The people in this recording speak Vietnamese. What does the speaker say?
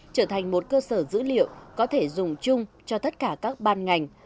trở thành một cơ sở dữ liệu có thể dùng chung cho tất cả các ban ngành